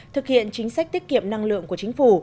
thực hiện chính sách tiết kiệm năng lượng của chính phủ